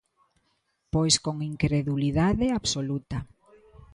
Pois con incredulidade absoluta!